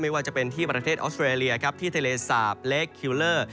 ว่าจะเป็นที่ประเทศออสเตรเลียครับที่ทะเลสาปเล็กคิวเลอร์